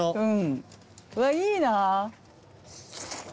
うわいいな。